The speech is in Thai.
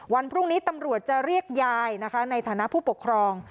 วันพรุ่งนี้ตำรวจจะเรียกยายนะคะในฐานะผู้ปกครอง